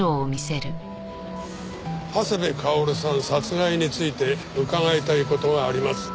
長谷部薫さん殺害について伺いたい事があります。